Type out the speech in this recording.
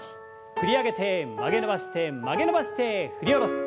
振り上げて曲げ伸ばして曲げ伸ばして振り下ろす。